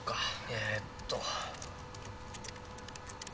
えーっと。